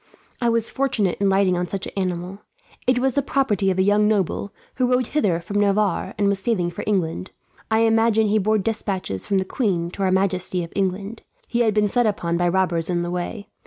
I was fortunate in lighting on such an animal. It was the property of a young noble, who rode hither from Navarre and was sailing for England. I imagine he bore despatches from the queen to her majesty of England. He had been set upon by robbers on the way.